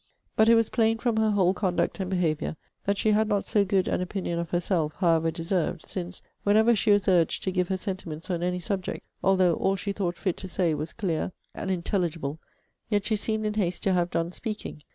But it was plain, from her whole conduct and behaviour, that she had not so good an opinion of herself, however deserved; since, whenever she was urged to give her sentiments on any subject, although all she thought fit to say was clear an intelligible, yet she seemed in haste to have done speaking.